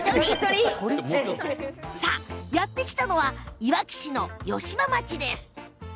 やって来たのはいわき市の好間町です。